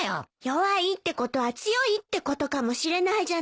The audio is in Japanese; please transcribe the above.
弱いってことは強いってことかもしれないじゃないの。